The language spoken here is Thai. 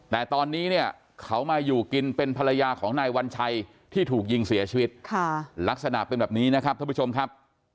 แต่ตอนนี้เนี่ยเขามาอยู่กินเป็นภรรยาของนายวัญชัยที่ถูกยิงเสียชีวิตลักษณะเป็นแบบนี้นะครับท่านผู้ชมครับ